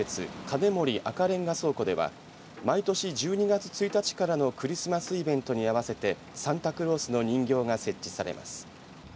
金森赤レンガ倉庫では毎年１２月１日からのクリスマスイベントに合わせサンタクロースの人形が設置されます。